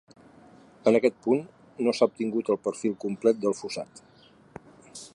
En aquest punt no s'ha obtingut el perfil complet del fossat.